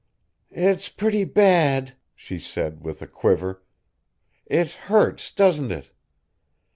"It's pretty bad," she said with a quiver. "It hurts, doesn't it?"